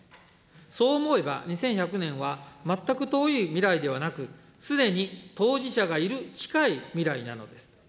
そう思えば、２１００年は全く遠い未来ではなく、すでに当事者がいる近い未来なのです。